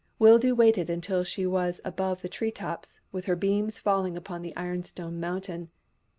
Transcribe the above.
Wildoo waited until she was above the tree tops, with her beams falling upon the iron stone mountain.